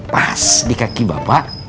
pas di kaki bapak